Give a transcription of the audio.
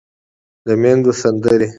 د ميندو سندرې